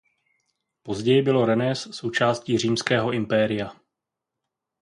Později bylo Rennes součástí Římského impéria.